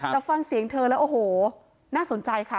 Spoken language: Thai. แต่ฟังเสียงเธอแล้วโอ้โหน่าสนใจค่ะ